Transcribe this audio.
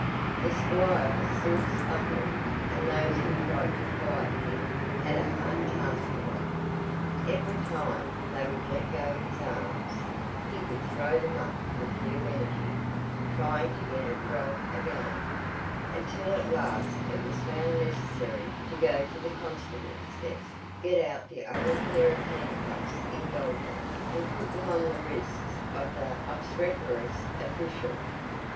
The squire was still sputtering and those who tried to quiet him had a hard task of it. Every time they would let go his arms he would throw them up with new energy, trying to get at Ralph again, until at last it was found necessary to go to the constables' desk; get out the only pair of handcuffs in Dalton, and put them on the wrists of the obstreperous official.